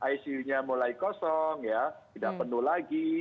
icu nya mulai kosong tidak penuh lagi